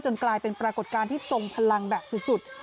กลายเป็นปรากฏการณ์ที่ทรงพลังแบบสุด